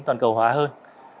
toàn cầu hóa hơn